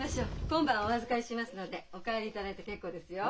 今晩はお預かりしますのでお帰りいただいて結構ですよ。